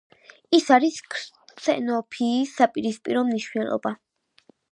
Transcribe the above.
ის არის ქსენოფობიის საპირისპირო მნიშვნელობა.